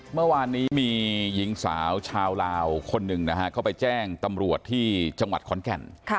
เมื่อวานนี้มีหญิงสาวชาวลาวคนหนึ่งนะฮะเข้าไปแจ้งตำรวจที่จังหวัดขอนแก่น